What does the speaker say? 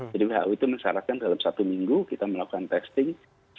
jadi who itu mensyaratkan dalam satu minggu kita melakukan testing